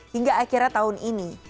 hingga akhirnya tahun ini